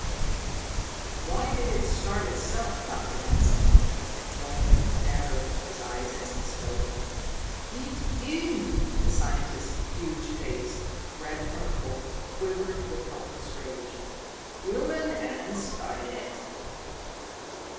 "Why did it start itself, Dr. Mundson!" Northwood narrowed his eyes as he spoke. "It didn't!" The scientist's huge face, red from cold, quivered with helpless rage. "Human hands started it."